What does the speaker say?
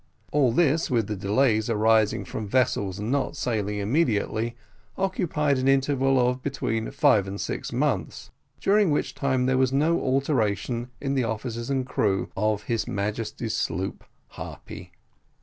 All this, with the delays arising from vessels not sailing immediately, occupied an interval of between five and six months during which time there was no alteration in the officers and crew of his Majesty's sloop Harpy.